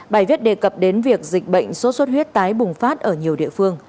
bài viết đề cập đến việc dịch bệnh sốt xuất huyết tái bùng phát ở nhiều địa phương